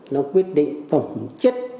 nó quyết định phẩm chất